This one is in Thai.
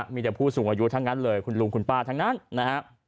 มีแต่ผู้สูงอายุทั้งนั้นเลยคุณลุงคุณป้าทั้งนั้นนะฮะ